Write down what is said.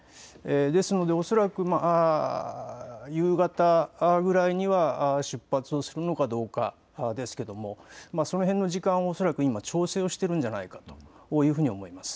ですので恐らく夕方ぐらいには出発をするのかどうかですがその辺の時間、恐らく今、調整しているんじゃないかと思います。